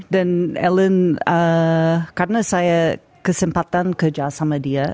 dan helen karena saya kesempatan kerja sama dia